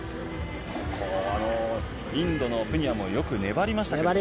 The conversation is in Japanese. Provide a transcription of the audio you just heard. ここは、インドのプニアもよく粘りましたけどね。